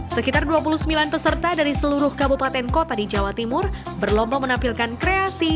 sekitar dua puluh sembilan peserta dari seluruh kabupaten kota di jawa timur berlomba menampilkan kreasi